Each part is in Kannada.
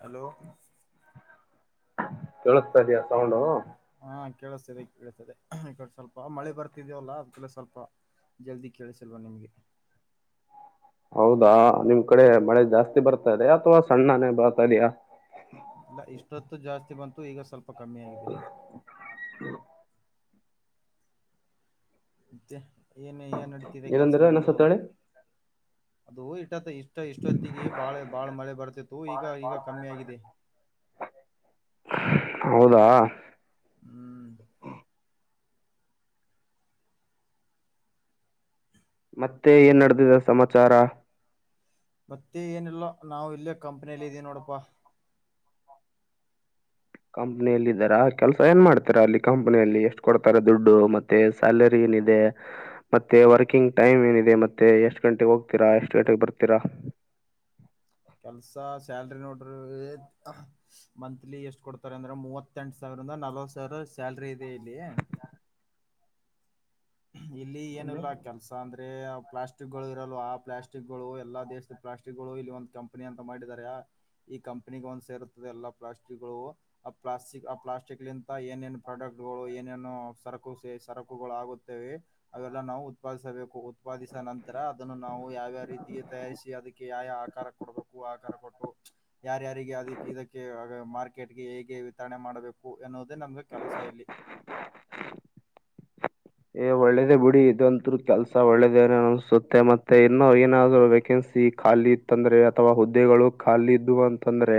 ಹಲೋ ಘ ಕೇಳಿಸತಾ ಇದ ಇದಯಾ ಸೌಂಡು ಹಾ ಕೇಳಿಸ್ತದೆ ಕೇಳತದೆ ಈ ಕಡೆ ಸ್ವಲ್ಪ ಮಳೆ ಬರ್ತಿದ್ಯವಲ್ಲ ಅದ್ಕ್ಕೆಡೆ ಸ್ವಲ್ಪ ಜಲ್ದಿ ಕೇಳಸಲ್ವ ನಿಮ್ಗೆ ಹೌದಾ ನಿಮ್ ಕಡೆ ಮಳೆ ಜಾಸ್ತಿ ಬರ್ತಾದೆಾ ಅಥವಾ ಸಣ್ಣನೇ ಬರ್ತಾ ಇದೆಯಾ ಇಲ್ಲ ಇಷ್ಟೊತ್ತು ಜಾಸ್ತಿ ಬಂತು ಈಗ ಸ್ವಲ್ಪ ಸ್ವಲ್ಪ್ಪ ಕಮ್ಮಿ ಆಗಿದೆ ಮತ್ತೆ ಏನ್ ಏನ್ ನಡೀತಿದೆ ಕೆಲ್ಸ ಏನಂದ್ರೆ ನಿಮ್ದು ಅನಿಸುತ್ತೆ ಹೇಳಿ ಅದು ಇಟ್ಟತ್ತ ಇಷ್ಟ ಇಷ್ಟೊತ್ತಿಗೆ ಬಾಳೆ ಬಾಳ ಮಳೆ ಬರ್ತಿತ್ತು ಈಗ ಈಗ ಕಮ್ಮಿ ಆಗಿದೆ ಹೌದಾ ಹ್ಮ್ ಮತ್ತೆ ಏ ನಡೆದಿದ ಸಮಾಚಾರ ಮತ್ತೆ ಏನಲ್ಲ ನಾವು ಇಲ್ಲ ಕಂಪನಿಯಲ್ಲಿ ಇದೀವಿ ನೋಡಪ್ಪಾ ಕಂಪನಿಯಲ್ಲಿ ಇದಾರಾ ಕೆಲ್ಸ ಏನ್ ಮಾಡ್ತೀರಾ ಅಲ್ಲಿ ಕಂಪನಿಯಲ್ಲಿ ಎಷ್ಟ್ ಕೊಡ್ತಾರ ದುಡ್ಡು ಮತ್ತೆ ಸ್ಯಾಲರಿ ಏನಿದೆ ಮತ್ತೆ ವರ್ಕಿಂಗ್ ಟೈಮ್ ಏನಿದೆ ಮತ್ತೆ ಎಷ್ಟ್ ಗಂಟೆಗೆ ಹೋಗ್ತೀರಾ ಎಷ್ಟ್ ಗಂಟೆಗೆ ಬರ್ತೀರಾ ಕೆಲ್ಸ ಸ್ಯಾಲ್ರಿ ಮಂತ್ಲಿ ಎಷ್ಟು ಕೊಡ್ತಾರೆ ಅಂದ್ರೆ ಮೂವತ್ತೆಂಟು ಸಾವಿರಂದ ನಲ್ವತ್ ಸಾವಿರ ಸ್ಯಾಲ್ರಿ ಇದೆ ಇಲ್ಲಿ ಇಲ್ಲಿ ಏನಲ್ಲ ಕೆಲ್ಸ ಅಂದ್ರೆ ಮ ಪ್ಲಾಸ್ಟಿಕ್ಗಳು ಇರಲ್ಲ ಆ ಪ್ಲಾಸ್ಟಕ್ ಗಳು ಎಲ್ಲಾ ದೇಶದ ಪ್ಲಾಸ್ಟಿಕ್ ಗಳು ಇಲ್ಲಿ ಒಂದ್ ಕಂಪ್ನಿ ಅಂತ ಮಾಡಿದಿದ್ದಾರೆ ಈ ಕಂಪ್ನಿ ಒಂದ್ ಸೇರುತ್ತದೆ ಎಲ್ಲ ಪ್ಲಾಸ್ಟಿಕ್ಗಳು ಆ ಪ್ಲಾಸ್ಟಿಕ್ ಆ ಪ್ಲಾಸ್ಟಿಕ್ಲಿಂತ ಏನೇನು ಪ್ರಾಡಕ್ಟ್ ಗಳು ಏನೇನು ಸರಕು ಸ ಸರಕುಗಳುಗುತ್ತ ಅವೆಲ್ಲ ನಾವು ಉತ್ಪಾದಿಸಬೇಕು ಉತ್ಪಾದಿಸ ನಂತರ ಅದನ್ನು ನಾವು ಯಾವ್ಯಾವ ರೀತಿಗೆ ತಯಾರಿಸಿ ಅದಕ್ಕೆ ಯಾವ ಆಕಾರ ಕೊಡಬೇಕು ಆಕಾರ ಕೊಟ್ಟು ಯಾರ್ಯಾರಿಗೆ ಅದಕ್ಕೆ ಇದಕ್ಕೆ ಮಾರ್ಕೆಟ್ಗೆ ಹೇಗೆ ವಿತರಣೆ ಮಾಡಬೇಕು ಎನ್ನೋದು ಇದೇ ನಮ್ದು ಕೆಲಸ ಇಲ್ಲಿ ಏ ಒಳ್ಳೇದೇ ಬಿಡಿ ಇದಂತರು ಕೆಲ್ಸ ಒಳ್ಳೇದ ಅನ್ಸುತ್ತೆ ಮತ್ತೆ ಇನ್ನೋ ಏನಾದ್ರು ವೇಕೆನ್ಸಿ ಖಾಲಿ ಇತ್ತಂದ್ರೆ ಅಥವಾ ಹುದ್ದೆಗಳು ಖಾಲಿ ಇದವು ಅಂತಂದ್ರೆ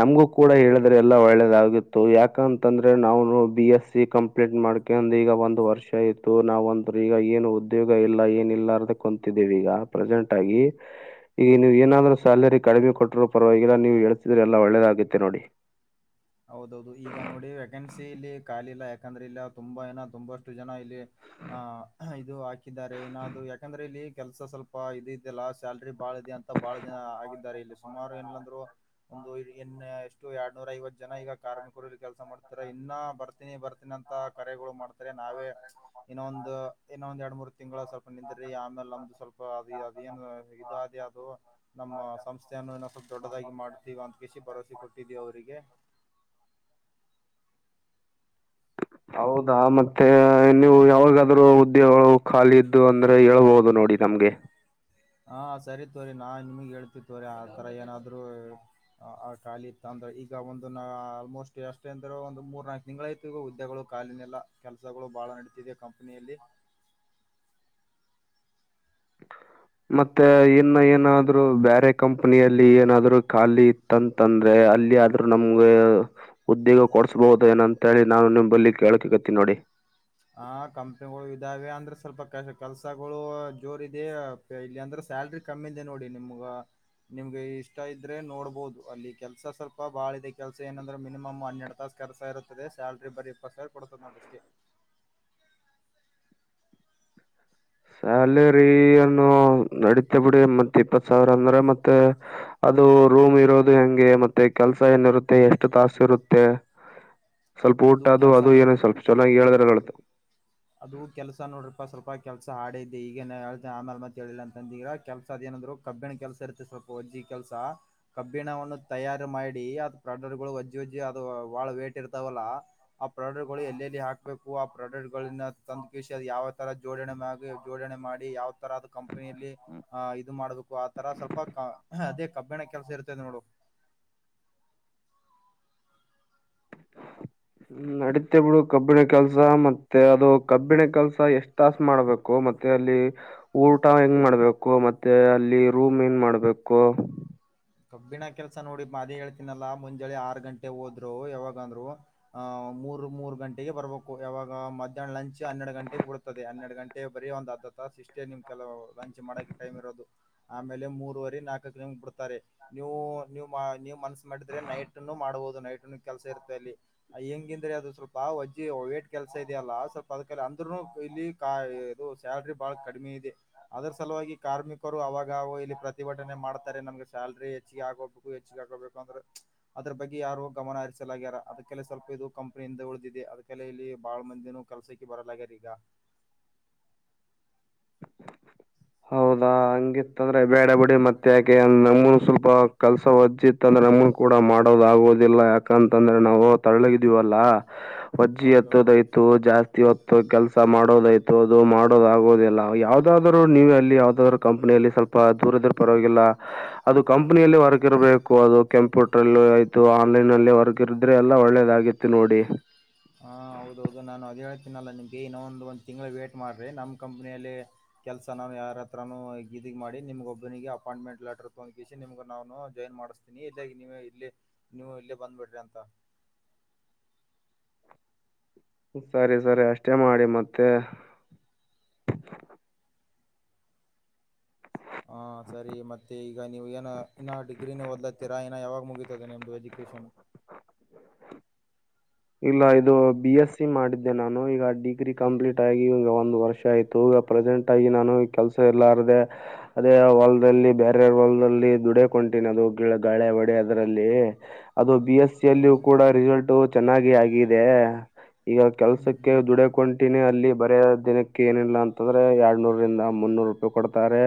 ನಮಗು ಕೂಡ ಹೇಳಿದ್ರೆ ಎಲ್ಲಾ ಒಳ್ಳೆದಾಗಿಿತ್ತು ಯಾಕಂತಂದ್ರೆ ನಾನು ಬಿ ಎಸ್ಸ ಕಂಪ್ಲೀಟ್ ಮಾಡ್ಕಂದ ಈಗ ಒಂದ ವರ್ ವರ್ಷ ಆಯತ್ತು ನಾವ ಒಂದ್ರ ಈಗ ಏನು ಉದ್ಯೋಗ ಇಲ್ಲ ಏನ ಇಿಲ್ಲ ಅದ ಕುಂತಿದ್ದೇವಿ ಈಗ ಪ್ರೆಸೆಂಟ್ ಆಗಿ ಈಗ ನೀವ್ ಏನಾದ್ೂ ಸ್ಯಾಲರಿ ಕಡಿಮೆ ಕೊಟ್ಟ್ರರು ಪರವಾಗಿಲ್ಲ ನೀ್ ಎಳ್ಸಿದ್ರೆ ಎಲ್ಲಾ ಒಳ್ಳೆದಗತ್ತೆ ನೋಡಿ ಹೌದೌದು ಈಗ ನೋಡಿ ವ್ಯಾಕೆನ್ಸಿಲ್ಲಿ ಕಾಲಿಲ್ಲ ಯಾಕಂದ್ರೆ ಇಲ್ಲ ತುಂಬಾ ಏ ತುಂಬಾಷ್ಟು ಜನ ಇಲ್ಲಿ. ಆ ಇದು ಹಾಕಿದ್ದಾರೆ ಏನಾದೂ ಯಾಕಂದ್ರೆ ಇಲ್ಲಿ. ಕೆಲ್ಸ ಸ್ವಲ್ಪ ಇದ ಇದದೆಲ್ಲ ಸಲ್ ಬಾಳ ಇದೆ ಅಂತ ಬಾಳ ಜನ ಆಗಿದ್ದಾರೆ ಇಲ್ಲಿ. ಸುಮಾರು ಎಏಂದ್ರು ಒಂದು ಎಷ್ಟು ಎರಡ್ನೂರ ಐವತ್ ಜನ ಈಗ ಕಾರ್ಮಿಕರುಲ್ಲಿ ಕೆಲಸ ಮಾಡ್ತಾರೆ ಇನ್ನ ಬರ್ತೀನಿ ಬರ್ತೀನಿ ಅಂತ ಕರೆಗಳು ಮಾಡ್ತಾರೆ ನಾವೇ ಇನ್ನೊಂದು ಇನ್ನೊ ಒಂದ್ ಎರಡ್ ಮೂರು ತಿಂಗಳ ಸ್ವಲ್ಪ ನಿಂದ್ರಿ ಆಮೇಲೆ ನಮ್ದು ಸ್ವಲ್ಪ ಅದು ಅದ ಏನ್ ಇ ಅದೇ ಅದು ನಮ್ಮ ಸಂಸ್ಥೆಯನ್ನು ಇ ಸ್ವಲ್ಪ ದೊಡ್ಡದಾಗಿ ಮಾಡ್ತೀವ ಅಂತ ಕಿಸಿಿ ಭರವಸೆ ಕೊಟ್ಟಿದೀವಿ ಅವರಿಗೆ. ಹೌದಾ ಮತ್ತೆ ನೀವು ಯಾವಾಗಾದ್ರೂ ಉದ್ಯಗಳು ಖಾಲಿ ಇದ್ದು ಅಂದ್ರೆ ಹೇಳ್ಬಹುದು ನೋಡಿ ನಮ್ಗೆ. ಹಾ ಸರಿತವರಿ ನಾ ನಿಮಗೆ ಹೇಳ್ತಿ ತವರಿ ಆತರ ಏನಾದ್ರು ಖಾಲಿ ಇತ್ತ ಅಂದ್ರೆ ಈಗ ಒಂದು ನಾ ಆಲ್ಮೋಸ್ಟ್ ಎಷ್ಟೆ ಅಂದ್ರ ಒಂದು ಮೂರ್ ನಾಲ್ಕು ತಿಂಗಳ ಐತಿ ಈಗ ಹುದ್ದೆಗಳು ಖಾಲಿನೆಲ್ಲ ಕೆಲ್ಸಗಳು ಬಾಳ ನಡೀತಿದೆ ಕಂಪನಿಯಲ್ಲಿ. ಮತ್ತೆ ಇನ್ನು ಏನಾದ್ರು ಬೇರೆ ಕಂಪನಿಯಲ್ಲಿ ಏನಾದ್ರು ಖಾಲಿ ಇತ್ತಂತಂದ್ರೆ ಅಲ್ಲಿ ಆದಾದ್ೂ ನಮ್ಗೆ ಉದ್ಯೋಗ ಕೊಡ್ಸ್ಬಹುದ ಏನಂತಿ ನಾನು ನಿಮಲ್ಲಿ ಕೇಳಕ ಗತ್ತೀನಿ ನೋಡಿ. ಹ ಕಂಪನಿಗಳು ಇದಾವೆ ಅಂದ್ರೆ ಸ್ವಲ್ಪ ಕೆಲ್ಸಗಳು ಜೋರ್ದೆ ಇಲ್ಲಿ ಅಂದ್ರೆ ಸ್ಯಾಲ್ರಿ ಕಮ್ಮಿ ಇದೆ ನೋಡಿ ನಿಮ್ಗ ನಿಮ್ಗೆ ಇಷ್ಟ ಇದ್ರೆ ನೋಡ್ಬಹುದು ಅಲ್ಲಿ ಕೆಲ್ಸ ಸ್ವಲ್ಪ ಬಾಳ ಇದೆ ಕೆಲ್ಸ ಏನಂದ್ರೆ ಮಿನಿಮಮ್ ಹನ್ನೆರಡ್ ತಾಸ ಕೆಲ್ಸ ಇರುತ್ತದೆ ಸ್ಯಾಲ್ರಿ ಬರಿ ಇಪ್ಪತ್ ಸಾವಿರ ಕೊಡ್ತದೆ ನೋಡಿ ಅಷ್ಟೇ ಸ್ಯಾಲರಿಯನ್ನು ನಡತಾ ಬಿಡಿ ಮತ್ತ್ ಇಪ್ಪತ್ ಸಾವಿರ ಅಂದ್ರೆ ಮತ್ತೆ ಅದು ರೂಮ್ ಇರೋದು ಹೆಂಗೆ ಮತ್ತೆ ಕೆಲ್ಸ ಏನಿರುತ್ತೆ ಎಷ್ಟು ತಾಸು ಇರುತ್ತೆ ಸ್ವಲ್ಪ ಊಟ ಅದು ಅದು ಏನ ಸ್ವಲ್ಪ ಚನ್ನಾಗಿ್ ಹೇಳದ್ರುತ್ತೆ ಅದು ಕೆಲಸ ನೋಡ್ರಪ್ಪ ಸ್ವಲ್ಪ. ಕೆಲಸ ಹಾಡಿದ್ದೆ ಈಗ ಆಮೇಲೆ ಮತ್ತ ಹೇಳಿಲ್ಲ ಅಂತಂದರ ಕೆಲಸ ಅದಏನಂದ್ರು ಕಬ್ಬಿಣ ಕೆಲಸ ಇರುತ್ತೆ ಸ್ವಲ್ಪ ಒಜ್ಜಿ ಕೆಲಸ ಕಬ್ಬಿಣವನ್ನು ತಯಾರಿು ಮಾಡಿ ಅದು ಪ್ರಾಡಕ್ಟ್ ಗಳು ಒಜ್ಜಿಜ್ಜ ಅದುಹಳ ವೇಟ್ ಇರ್ತಾವಲ್ಲ ಆ ಪ್ರಾಡಕ್ಟ್ ಗಳು ಎಲ್ಲೆಲ್ಲಿ ಹಾಕ್ಬೇಕು ಆ ಪ್ರಾಡಕ್ಟ್. ತಂದು ಕಿ ಅ ಯಾವ ತರ ಜೋಡಣೆ ಜೋಡಣೆ ಮಾಡಿ ಯಾವ. ತರ ಕಂಪನಿಯಲ್ಲಿ್ ಇದು ಮಾಡ್ ಆ ತರ ಸ್ವಲ್ಪ ಅದೇ. ಕಬ್ಬಿಣ ಕೆಲಸ ಇರುತೈದೆ ನೋಡು. ್ಮ ನಡೀತ್ಯ ಬಿಡು ಕಬ್ಬಿಣ ಕೆಲ್ಸ ಮತ್ತೆ ಅದು ಕಬ್ಬಿಣ ಕೆಲ್ಸ ಎಷ್ಟ್ ತಾಸ ಮಾಡ್ಬೇಕು ಮತ್ತೆ ಅಲ್ಲಿ ಊಟ ಹೆಂಗ್ ಮಾಡ್ಬೇಕು ಮತ್ತೆ ಅಲ್ಲಿ ರೂಮ್ ಹೆಂಗ್ ಮಾಡ್ಬೇಕು. ಕಬ್ಬಿಣ ಕೆಲಸ ನೋಡಿ ಅದೇ ಹೇಳ್ತೀನಲ್ಲ ಮುಂಜಳೆ ಆರು ಗಂಟೆ ಹೋದ್ರು ಯಾವಾಗ ಅಂದ್ರು ಆಹ್ ಮೂರ್ ಮೂರು ಗಂಟೆಗೆ ಬರ್ಬೇಕು ಯಾವಾಗ ಮಧ್ಯಾಹ್ನ ಲಂಚ್ ಹನ್ನೆರಡ್ ಗಂಟೆಗೆ ಬಿಡ್ತದೆ ಹನ್ನೆರಡು ಗಂಟೆ ಬರೀ ಒಂದ್ ಅದ್ ಹತ್ತ ಸಿಸಷ್ಟೆ ನಿಮ್ ಕೆಲ ಲಂಚ್ ಮಾಡಕ್ ಟೈಮ್ ಇರೋದು ಆಮೇಲೆ ಮೂರವರಿ ನಾಲ್ಕಕ್ ನಿಮ್ ಬಿಡ್ತಾರೆ. ನೀವು ನೀವು್ ನೀ್ ಮನ್ಸ ಮಾಡಿದ್ರೆ ನೈಟ್ ಅನ್ನು ಮಾಡಬಹುದು. ನೈಟ್ ಕೆಲಸ ಇರುತದೆ ಅಲ್ಲಿ ಹೆಂಗಂದ್ರೆ ಅದು ಸ್ವಲ್ಪ ವಜ್ಜ ವೇಟ್ ಕೆಲ್ಸ ಇದೆಯಲ್ಲ ಸ್ವಲ್ಪ ಅದ ಅಂದ್ರರುನು ಇಲ್ಲಿ ಇದು ಸ್ಯಾಲ್ರಿ ಬಹಳ ಕಡಿಮೆ ಇದೆ ಅದರ ಸಲುವಾಗಿ ಕಾರ್ಮಿಕರು ಅವಾಗ ಇಲ್ಲಿ ಪ್ರತಿಭಟನೆ ಮಾಡ್ತಾರೆ ನಮ್ಗೆ ಸಲ್ ೆ ಹೆಚ್ಚಿಗೆ ಆಗೋಬೇಕು ಹೆಚ್ಚಿಗೆ ಆಗೋಬೇಕು ಅಂದ್ರೆ ಅದ್ರ ಬಗ್ಗೆ ಯಾರು ಗಮನ ಹರಿಸಲಾಗ್ಯಾರ ಅದಕಲೆ ಸ್ವಲ್ಪ ಇದು ಕಂಪನಿಯಿಂದ ಉಳಿದಿದೆ ಅದಕ್ಕೆ ಇಲ್ಲಿ ಬಾಳ ಮಂದಿನ ಕೆಲ್ಸಕ್ಕೆ ಬರಲಗ್ಯಾರ ಈಗ. ಹೌದಾ ಹಂಗಿತ್ತ ಅಂದ್ರೆ ಬೇಡ ಬಿಡಿ ಮತ್ತೆ ಯಾಕೆ ನಮ್ಗನು ಸ್ವಲ್ಪ ಕೆಲ್ಸ ಒಜ್ಜಿತ್ತ ಅಂದ್ರೆ ನಮ್ನ್ ಕೂಡ ಮಾಡೋದ ಆಗುದಿಲ್ಲ ಯಾಕಂತಂದ್ರೆ ನಾವು ತಳ್ಳಗಿದೀವಲ್ಲ. ಅಜ್ಜಿ ಹೌದೌದು ಎತ್ತದಯತು ಜಾಸ್ತಿ ಹೊತ್ತು ಕೆಲಸ ಮಾಡ್ ಮಾಡೋದಾಗೋದಿಲ್ಲ ಯಾವವುದಾದ್ರೂ. ನೀವ ಅಲ್ಲಿ ಯಾವ್ದಾದ್ರ ಕಂಪ್ನಿಯಲ್ಲಿ ಸ್ವಲ್ಪ ದೂರದ್ರ ಪರವಾಗಿಲ್ಲ ಅದು ಕಂಪನಿಯಲ್ಲಿ ವರ್ಗ ಇರಬೇಕು ಅದು ಕಂಪ್ಯೂಟರ್ ಅಲ್ಲಿ ಆಯ್ತು ಆನ್ಲೈನ್ ಅಲ್ಲಿ ವರ್ಗ ಇರಿದ್ರೆ ಎಲ್ಲ ಒಳ್ಳೇದಾಗಿತ್ತು ನೋಡಿ. ಹಾಂ ಹೌದೌದು ನಾನು ಅದು ಹೇಳ್ತೀನಲ್ಲ ನಿಮಗೆ ಇನ್ನೊ ಒಂದು ಒಂದು ತಿಂಳ ವೇಟ್ ಮಾಡ್ರಿ ನಮ್ಮ ಕಂಪ್ನಿಯಲ್ಲಿ ಕೆಲಸ ನಾನು ಯಾರ ಹತ್ರನೂ ಇದಿಗೆ ಮಾಡಿ ನಿಮ್ಗೊಬ್ಬನಿಗೆ ಅಪಾಯಿಂಟ್ಮೆಂಟ್ ಲೆಟರ್ ತೊಂದಕಿಸಿ ನಿಮ್ಗೆ ನಾನು ಜಾಯಿನ್ ಮಾಡಿಸ್ತೀನಿ ಇಲ್ಲಗೆ ನೀವ ಇಲ್ಲಿ ನೀವು ಇಲ್ಲೇ ಬಂದ್ಬಿಡ್ರಿ ಅಂತ. ಸರಿ ಸರಿ ಅಷ್ಟೇ ಮಾಡಿ ಮತ್ತೆ. ಹಾ ಸರಿ ಮತ್ತೆ ಈಗ ನೀವು ಏನ ಇನ್ನ ಡಿಗ್ರಿನ ಓದ್ಲತ್ತೀರಾ ಇನ್ನ ಯಾವಾಗ ಮುಗತದೆ ನಿಮ್ದು ಎಜುಕೇಶನ್. ಇಲ್ಲ ಇದು ಬಿ ಎಸ್ ಸಿ ಮಾಡಿದ್ದೆ ನಾನು ಈಗ ಡಿಗ್ರಿ ಕಂಪ್ಲೀಟ್ ಆಗಿ ಈಗ ಒಂದ್ ವರ್ಷ ಆಯ್ತು ಈಗ ಪ್ರೆಸೆಂಟ್ ಆಗಿ ನಾನು ಕೆಲ್ಸ ಎಲ್ಲಾರದೆ ಅದೇ ವಲ್ಲ್ಲಿ ಬೇರೆ ವಲ್ಲ್ಲಿ ದುಡಕಂತೀನಿ ಅದು ಗಿ ಗಾಳೆ ಒಡೆ ಅದರಲ್ಲಿ ಅದು ಬಿ ಎಸ್ಸ ಓ ಅಲ್ಲಿ ಕೂಡ ರಿಸಲ್ಟ್. ಚೆನ್ನಾಗಿ ಆಗಿದೆ ಈಗ ಹ್ಮ್ ಕೆಲ್ಸಕ್ಕೆ ಹ್ಮ್ ದುಡಕಂಟಿನಿ ಅಲ್ಲಿ ಬರ ದಿನಕ್ಕೆ ಏನಿಲ್ಲ ಅಂತಂದ್ರೆ ಎರಡ್ನೂರಂದ ಮುನ್ನೂರು ರೂಪಾಯಿ ಕೊಡ್ತಾರೆ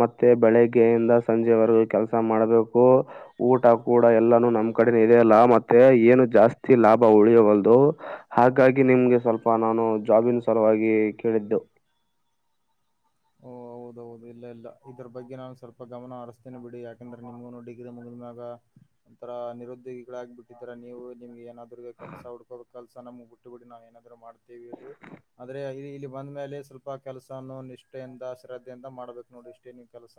ಮತ್ತೆ ಬೆಳಿಗ್ಗೆಯಿಂದ ಸಂಜೆವರೆಗ ಕೆಲಸ ಮಾಡಬೇಕು ಊಟ ಕೂಡ ಎಲ್ಲಾನು ನಮ್ ಕಡೆ ಇದೆ ಅಲ್ಲ ಮತ್ತೆ ಏನು ಜಾಸ್ತಿ. ಲಾಭ ಉಳಿಯಬಲ್ದು ಹಾಗಾಗಿ ನಿಮ್ಗೆ ಸ್ವಲ್ಪ ನಾನು ಜಾಬಿನ ಸಲುವಾಗಿ ಕೇಳಿದ್ದು. ಹೌ ಇಲ್ಲ ಇಲ್ಲ ಇದ್ರ ಬಗ್ಗೆ ನಾನು ಸ್ವಲ್ಪ ಗಮನ ಅರ್್ತೇನೆ ಬಿಡಿ ಯಾಕೆಂದ್ರೆ ನಿಮ್ಗ ಡಿಗ ಮುಗಿದ್್ಯಾಗ ಒಂರ ನಿರುದ್ಯೋಗಿಗಳಾಗಿ ಬಿಟ್ಟಿದರ ನೀವು ನಿಮ್ಗೆ ಏನಾದ್. ಕೆಲಸ ಉಡ್ಕೋಬೇಕು. ಕೆಲ್ಸ ನಮಗ್ ಬಿಟ್ಟಬ ಬಿಿ ನಾ ಏನಾದರು ಮಾಡ್ ಲ್ಲಿ ಆದ್ರೆ ಈ ಬಂದ ಮೇಲೆ ಸ್ವಲ್ಪ ಕೆಲಸ ನಿಷ್ಠೆಯಿಂದ ಶ್ರದ್ಧೆಯಿಂದ. ಮಾಡ್ಬೇಕು ನೋಡಿ್ರ ಇಷ್ಟೇ ನೀವ್ ಕೆಲಸ.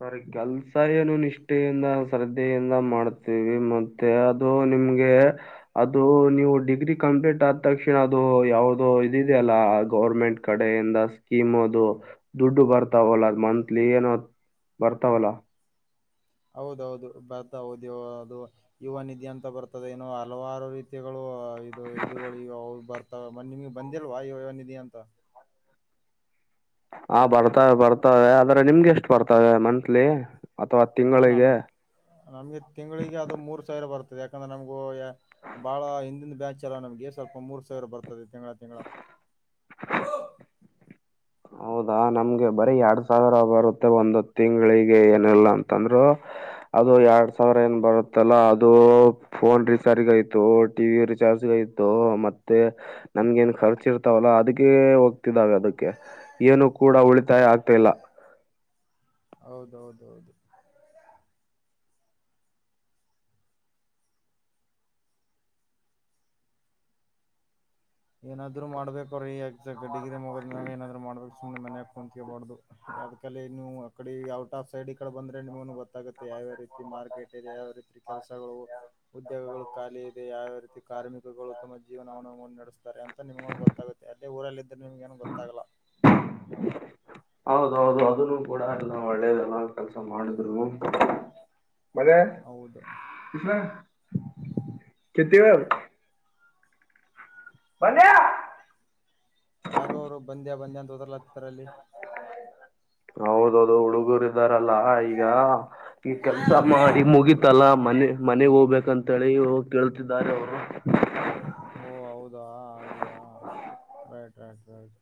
ಸರಿ ಕೆಲ್ಸ ಏನು ನಿಷ್ಠೆಯಿಂದ ಶ್ರದ್ದೆಯಿಂದ ಮಾಡ್ತೀವಿ ಮತ್ತೆ ಅದು ನಿಮ್ಗೆ ಅದು ನೀವು ಡಿಗ್ರಿ ಕಂಪ್ಲೀಟ್ ಆದ ತಕ್ಷಣ ಅದು ಯಾವ್ದೋ ಇದಿದ ಅಲ್ಲ ಗೌನ್ನ್ರ್ಮೆಂಟ್ ಕಡೆಯಿಂದ ಸ್ಕೀಮ್ ಅದು ದುಡ್ಡು ಬರ್ತಾವಲ್ಲ ಮಂತ್. ಲಿಯನ ಬರ್ತಾವಲ್ಲಾ ಹೌದೌದು ಬರ್ತ ಹೌದು ಅದು ಯುವ ನಿಧಿ ಅಂತ ಬರ್ತದೆ ಏನುೋ ಹಲವಾರು ರೀತಿಿಯ [inaudible] ಗಳು ಇದು ಇದುಗಳಗ ಬರ್ತ ನಿಮ್ಗೆ ಬಂದಿಲ್ವಾ ಯೋ ಯುವನಿಧಿ ಅಂತ ಹಾ ಬರ್ತವೆ ಬರ್ತವೆ ಆದ್ರೆ ನಿಮ್ಗೆ ಎಷ್ಟು ಬರ್ತವೆ ಮಂತ್ಲಿ ಅಥವಾ ಹ ನಮ ತಿಂಗಳಿಗೆ ನಮ್ಗೆ ತಿಂಗಳಿಗೆ ಅದು ಮೂರ್ ಸಾವಿರ ಬರ್ತದೆ ಯಾಕಂದ್ರೆ ನಮಗಗೆ ಬಹಾಳ ಹಿಂದಿನ ಬ್ಯಾಚ್ ಅಲ್ಲ ನಮ್ಗೆ ಸ್ವಲ್ಪ ಮೂರ್ ಸಾವಿರ ಬರ್ತದೆ ತ ತಿಂಗಳಾ ತಿಂಗಗಳ ಹೌದಾ ನಮ್ಗೆ ಬರೀ ಎರಡ್ ಸಾವಿರ ಬರುತ್ತೆ ಒಂದ ತಿಂಗಳಿಗೆ ಏನಲ್ಲ ಅಂತಂದ್ರರು ಅದು ಎರಡ್ ಸಾವಿರ ಏನ್ ಬರುತ್ತಲ್ಲ ಅದು ಫೋನ್ ರೀಚಾರ್ಜ್ಗಯ್ತು ಟಿ ವಿ ರಿಚಾರ್ಜ್ಗಯ್ತು ಮತ್ತೆ ನಮಗ ನ್ ಖರ್ಚ ಇರ್ತಾವಲ್ಲ ಅದಕ್ಕೆ ಹೋಗ್ತಿದಾವೆ ಅದಕ್ಕೆ. ಏನೂ ಕೂಡ ಉಳಿತಾಯ ಆಗ್ತಿಲ್ಲ ಹೌದೌದ ಹೌದು ಏನಾದ್ರು ಮಾಡ್ಬೇಕ್ರೀ ಎಕ್ಸಾಕ್ಟ್ ಗಡ್ಡಿಿಗೆೇ ಮಗಿದ ಮ್ಯಾಗ ಏನಾದ್ೂ ಮಾಡಬೇಕುಮ್ಮನೆಯೆ ಕುಂತಕಬಾರು ಅದ್ಲ್ಲಿ ನೀವು ಅಕಡೆ ಔಟ್ ಆಫ್ ಸೈಡ್ ಈ ಕಡೆ ಬಂದ್ರೆ ನಿಮಗ ಗೊತ್ತಾಗುತ್ತೆ ಯಾವ್ಯಾವ ರೀತಿ ಮಾರ್ಕೆಟ್ ಇದೆ ಯಾವ ರೀತಿ ಕೆಲಸಗಳು ಉದ್ಯೋಗಗಳು ಖಾಲಿ ಇದೆ ಯಾವ್ಯಾವ ರೀತಿ ಕಾರ್ಮಿಕಗಳು ತಮ್ಮ ಜೀವನವನ್ನು ನಡೆಸ್ ಾರೆ ಅಂತ ನಿಮ್ಗ ಗೊತ್ತಾಗುತ್ತೆ ಅದೇ ಊರಲ್ಲ ಇದ್ರೆ ನಿಮ್ಗ ಏನ ಗೊತ್ತಾಗಲ್ಲ [inaudible] ಹೌದೌದು ಅದನ್ನು ಕೂಡ ಎಲ್ಲ ಒಳ್ಳೇದೆಲ್ಲ ಕೆಲ್ಸ ಮಾಡಿದ್ರು ಮಜಾ ಹೌದು ಆ ಕಿಸರ ಕತಿವಾರ [inaudible] ಬನ್ನಯ ಯಾರು ಅವರು ಬಂದ್ಯಾ ಬಂದ್ಯಾ ಅಂತ ಹೋದರ್ಲತ್ತತಾರಲ್ಲಿ ಹೌದೌದು ಹುಡುಗೂರ ಇದ್ದಾರಲ್ಲ ಈಗ ಈ ಕೆಲ್ಸ ಮಾಡಿ ಮುಗಿತಲ್ಲ ಮನೆ ಮನೆಗ್ ಹೋಗ್ಬೇಕಂತೇಳಿ ಕೇಳ್ತಿದ್ದಾರೆ ಅವರು ಓ ಹೌದಾ ಹಾಗಿಯಾ ರೈಟ್ ರೈಟ್ ರೈಟ್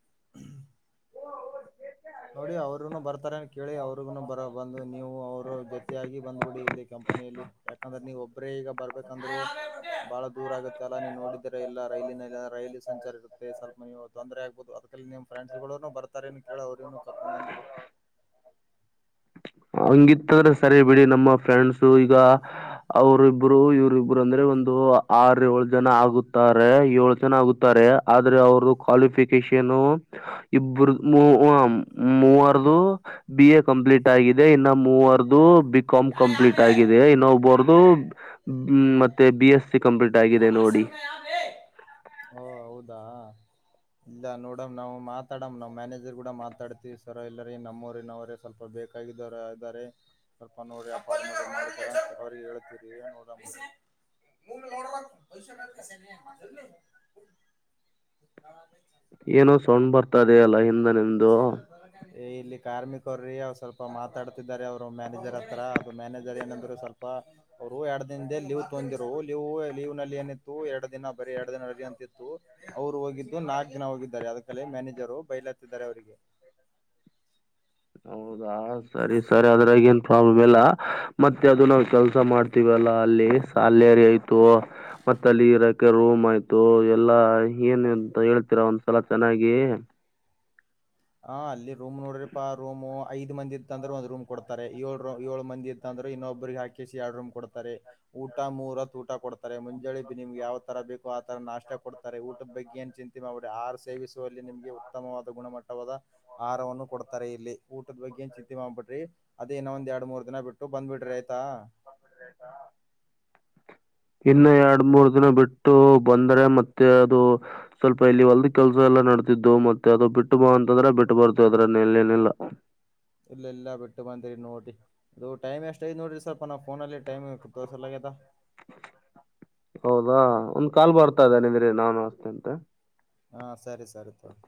ನೋಡಿ ಅವ್ರಗನು ಬರ್ತಾರೆ ಅ ಕೇಳಿ ಅವ್ರಿಗುನು [inaudible] ಬರ ಬಂದು ನೀವು ಅವರು ಜೊತ ಆಾಗಿಿ ಬಂದ್ಬಿಡಿ ಇಲ್ಲಿ ಕಂಪನಿಯಲ್ಲಿ ಯಾಕಂದ್ರೆ ನೀವು ಒಬ್ಬರೇ ಈಗ ಬರ್ಬೇಕಂದ್ರೂ ಬಹಳ ದೂರ ಆಗುತ್ತೆ ಅಲ್ಲ ನೀವು ನೋಡಿದರ ಎಲ್ಲಾ ರೈಲಿನಲ್ಲಿ ರೈಲು ಸಂಚಾರ ಇರುತ್ತೆ ಸ್ವಲ್ಪ ನೀವು ತೊಂದರೆ ಆಗ್ಬಹುದು ಅದಲ್ಲಿ ನಿಮ್ಮ್ ಫ್ರೆಂಡ್ಸ್ ಬರ್ತಾರೆ ದನು [inaudible] ಕನಾಮಂದ ಬಿಡಿ [inaudible] ಹಂಗಿತ್ತಂದ್ರೆ ಸರಿ ಬಿಡಿ ನಮ್ಮ ಫ್ರೆಂಡ್ಸ ಈಗ ಅವ್ರ ಇಬ್ರು ಇವ್ರ ಇಬ್ರು ಅಂದ್ರೆ ಒಂದು ಆರ್ ಏಳ ಜನ ಆಗುತ್ತಾರೆ ಏಳ ಜನ ಆಗುತ್ತಾರೆ ಆದ್ರೆ ಅವ್ರದ ಕ್ವಾಲಿಫಿಕೇಶನ್ ಇಬರ ಮೂವರದು ಬಿ ಎ ಕಂಪ್ಲೀಟ್ ಆಗಿ ಇದೆ ಇನ್ನು ಮೂವರದು ಬಿ ಕಾಾಮ್ ಯಾ ಕಂಪ್ಲೀಟ್ ಯಾವೇ ಆಗಿದೆ ಇನ್ನು ಒಬರ್ದು ಮತ್ತೆ ಬಿ ಎಸ್ ಸಿ ಕಂಪ್ಲೀಟ್ ಆಗಿದೆ ಯಾ ನೋಡಿ ಭಾಷಣ ಯಾವೇ ಓ ಹೌದಾ ಇಲ್ಲ ನೋಡಮ ನಾ್ ಮಾತಾಡಮ ನಾವ್ ಮ್ಯಾನೇಜರ್ ಕೂಡ ಮಾತಾಡ್ತಿೀವಿ ಸರ ಎಲ್ಲರಿ ನಮ್ಮವರಿ ನವರ ಸ್ವಲ್ಪ ಬೇಕಾಗಿದವರ ಇದಾರೆ ಸ್ವಲ್ಪ ನೋಡ್ರ ಅಪಾರ್ಟ್ಮೆಂಟ್ ಅವ್ರ ಹೇಳ್ತ ನೋಡ ಏನೋ ಸೋೊಂಡ್ ಬರ್ತ ತದ ಅಲ್ಲ ಹಿಂದನೆಂದು ಇಲ್ಲಿ ಕಾರ್ಮಿಕರ್ರೀ ಅವ್ರು ಸ್ವಲ್ಪ ಮಾತಾಡ್ತಿದ್ದಾರೆ ಅವರು ಮ್ಯಾನೇಜರ್ ಹತ್ರ ಅದು ಮ್ಯಾನೇಜರ್ ಏನಂದ್ರು ಸ್ವಲ್ಪ ಅವರು ಎರಡು ದಿನದ ಲೀವ್ ತೊಂದಿರು ಲೀವ್ ಲೀವ್ ನಲ್ಲಿ ಏನಿತ್ತು ಎರಡು ದಿನ ಬರಿೀ ಎರಡು ದಿನಲ್ಲಿ ಅಂತಿತ್ತು ಅವ್ರು ಹೋಗಿದ್ದು ನಾಲ್ಕು ದಿನ ಹೋಗಿದ್ದು [inaudible] ಅದ ಕಲೇ ಮನೇಜರ ಹತಿದ್ದಾರೆ ಅವರಿಗೆ [inaudible] ಹೌದಾ ಸರಿ ಸರಿ ಅದ್ರಾಗ ಏನ್ ಪ್ರಾಬ್ಲಮ್ ಇಲ್ಲ ಮತ್ತೆ ಅದು ನಾವ ಕೆಲ್ಸ ಮಾಡ್ತೀವಲ್ಲಾ ಅಲ್ಲಿ ಸಾಲರಿ ಆಯ್ತು ಮತ್ತ ಅಲ್ಲಿ ಇರಕೆ ರೂಮ್ ಆಯ್ತು ಎಲ್ಲಾ ಏನ್ ಅಂತ ಹೇಳ್ತೀರಾ ಒಂದ್ಸಲ ಚೆನ್ನಾಗಿ ಹ ಅಲ್ಲಿ ರೂಮ್ ನೋಡ್ರಿಾ ರೂಮ್ ಐ್ ಮಂದಿ ಇ್ದ ಅಂದ್ರೆ ಒಂದ ರೂಮ್ ಕೊಡ್ತಾರೆ ಏಳ ರ ಏಳು ಮಂದಿ ಇ್ದಂದ್ರೆ ಇನ್ನೊಬ್ಬ್ರಿಗೆ ಹಾಕಿಸಿ ಎರಡ್ ರೂಮ್ ಕೊಡ್ತಾರೆ ಊಟ ಮೂರತ್ ಊಟ ಕೊಡ್ಾರೆ ಮುಂಜಳಿ ನಿಮ್ಗೆ ಯಾವ ತರ ಬೇಕೋ ಆ ತರ ನಾಷ್ಟ ಕೊಡ್ತಾರೆ ಊಟದ ಬಗ್ಗೆ ಏನ್ ಚಿಂತೆ ಮಾಡ್ಬಿಡಿ ಆ ಸೇವಿಸುವಲ್ಲಿ ನಿಮ್ಗೆ ಉತ್ತಮವಾದ ಗುಣಮಟ್ಟ ಆಹಾರವನ್ನು ಕೊಡ್ತಾರೆ ಇಲ್ಲಿ ಊಟದ ಬಗ್ಗೆಏನ್ ಚಿತ್ತಿ ಮಾಡ್ಬಿಟ್ರಿ ಅದೇ ಇನ್ನೊ ಒಂದ್ರಡು ಮೂರ್ ದಿನ ಬಿಟ್ಟ ಟ್ಟು ಬಂದ್ಬಿಡ್ರಿ ಆಯ್ತಾ ಇನ್ನು ಎರಡ್ ಮೂರ್ ದಿನ ಬಿಟ್ಟು ಬಂದ್ರೆ ಮತ್ತೆ ಅದು ಸ್ವಲ್ಪ ಇಲ್ಲಿ ಹೊಲ್ದ ಕೆಲ್ಸ ಎಲ್ಲ ನಡ್ತಿದ್ದು ಮತ್ತೆ ಅದು ಬಿಟ್ಟು ಬ ಅಂತಂದ್ರೆ ಬಿಟ್ಟು ಬರ್ತವಿ ಅದ್ರೆಲ್ಲ ನೆಲ್ಲ ಇಲ್ಲ ಎಲ್ಲಾ ಬಿಟ್ಟು ಬಂದಿರಿ ನೋಡಿ ಅದು ಟೈಮ್ ಎಷ್ಟ ಐ್ ನೋಡ್ರಿ ಸ್ವಲ್ಪ ನಾವು ಫೋನಲ್ಲಿ ಟೈಮ್ ತೋರ್ಸಲಾಗ್ಯದ ಹೌದಾ ಒಂದ್ ಕಾಲ್ ಬರ್ತಾ ಇದ್ದೇನೆಿದ್ರೆ ನಾನು ಅಷ್ಟೆ ಅಂತ ಹಾ ಸರಿ ಸರಿ ತರಿ